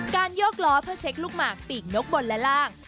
โยกล้อเพื่อเช็คลูกหมากปีกนกบนและล่าง